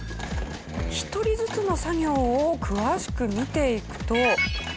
１人ずつの作業を詳しく見ていくと。